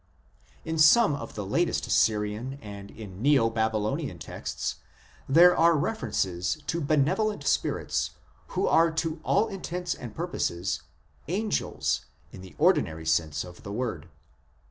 In some of the latest Assyrian and in Neo Baby Ionian texts there are references to benevolent spirits who are to all intents and purposes angels in the ordinary sense of the word.